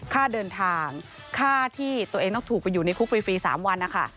ค่าเดินทางค่าที่ตัวเองต้องถูกไปอยู่ในคุกฟรี๓วันนะคะ